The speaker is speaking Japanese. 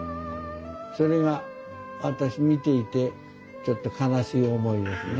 それが私見ていてちょっと悲しい思いですね。